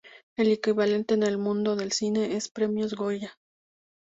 El equivalente en el mundo del cine es: Premios Goya.